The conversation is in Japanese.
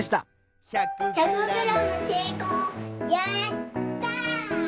やった！